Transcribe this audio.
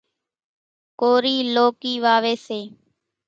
ڪورِي لوڪِي واويَ سي۔